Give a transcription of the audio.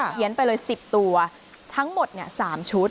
เขียนไปเลย๑๐ตัวทั้งหมด๓ชุด